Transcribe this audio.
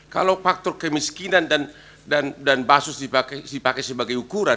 kalau faktor kemiskinan dan basus dipakai sebagai ukuran